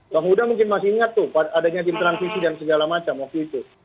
bang huda mungkin masih ingat tuh adanya tim transisi dan segala macam waktu itu